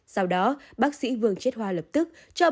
sau đó bác sĩ vương chiết hoa lập tức cho bệnh